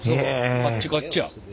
カッチカッチや。